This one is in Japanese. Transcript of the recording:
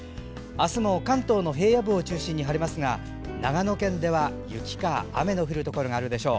あすも関東の平野部を中心に晴れますが長野県では、雪か雨の降るところがあるでしょう。